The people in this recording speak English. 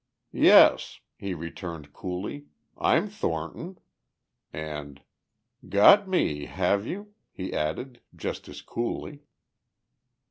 "Yes," he returned coolly. "I'm Thornton." And, "Got me, have you?" he added just as coolly.